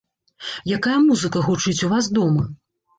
Якая музыка гучыць у вас дома?